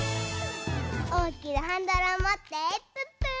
おおきなハンドルをもってプップー！